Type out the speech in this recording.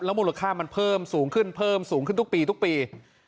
แล้วมูลค่ามันเพิ่มสูงขึ้นทุกปี